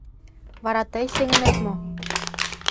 — Вара тый сеҥынет мо?